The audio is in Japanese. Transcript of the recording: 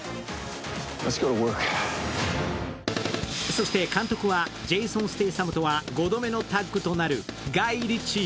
そして監督は、ジェイソン・ステイサムとは５度目のタッグとなるガイ・リッチー。